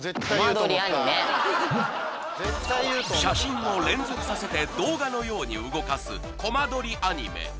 写真を連続させて動画のように動かすコマ撮りアニメ